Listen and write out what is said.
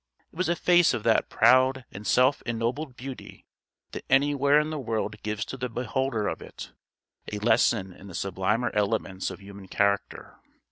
It was a face of that proud and self ennobled beauty that anywhere in the world gives to the beholder of it a lesson in the sublimer elements of human character.